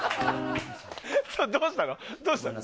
どうしたの？